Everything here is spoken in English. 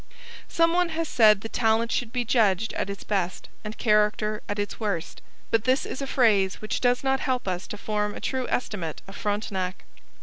Some one has said that talent should be judged at its best and character at its worst; but this is a phrase which does not help us to form a true estimate of Frontenac.